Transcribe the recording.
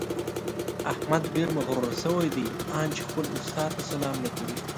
احمد ډېر مغروره شوی دی؛ ان چې خپل استاد ته سلام نه کوي.